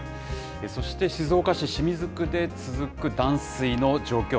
そして静岡市清水区で続く断水の状況。